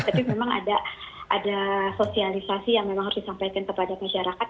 tapi memang ada sosialisasi yang memang harus disampaikan kepada masyarakat